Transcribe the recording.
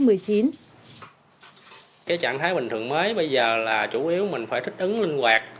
cái trạng thái bình thường mới bây giờ là chủ yếu mình phải thích ứng linh hoạt